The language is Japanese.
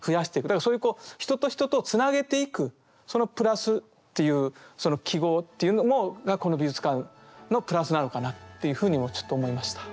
だからそういう人と人とをつなげていくその「プラス」っていうその記号というのがこの美術館の「プラス」なのかなっていうふうにもちょっと思いました。